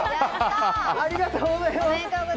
ありがとうございます。